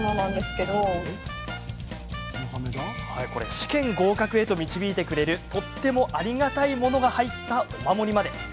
試験合格へと導いてくれるとってもありがたいものが入ったお守りまで。